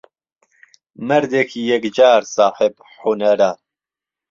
مەردێکی یهکجار ساحێب حونەره.